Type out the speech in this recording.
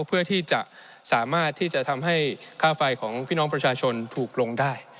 เพื่อที่จะสามารถที่จะทำให้ค่าไฟของพี่น้องประชาชนถูกลงได้